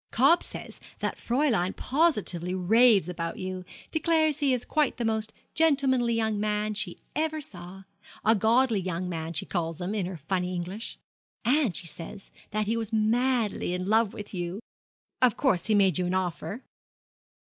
'Cobb says that Fräulein positively raves about him declares he is quite the most gentlemanly young man she ever saw a godly young man she called him, in her funny English. And, she says, that he was madly in love with you. Of course he made you an offer?'